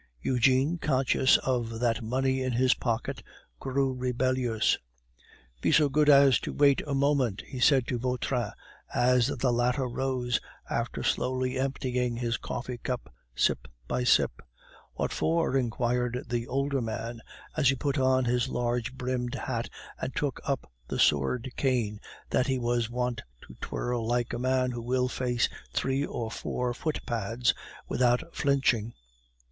Eugene, conscious of that money in his pocket, grew rebellious. "Be so good as to wait a moment," he said to Vautrin, as the latter rose, after slowly emptying his coffee cup, sip by sip. "What for?" inquired the older man, as he put on his large brimmed hat and took up the sword cane that he was wont to twirl like a man who will face three or four footpads without flinching.